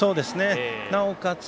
なおかつ